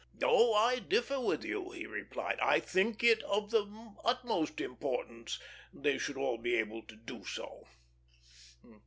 "Oh, I differ with you," he replied; "I think it of the utmost importance they should all be able to do so."